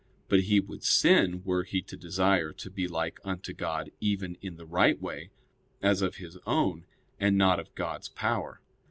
But he would sin were he to desire to be like unto God even in the right way, as of his own, and not of God's power.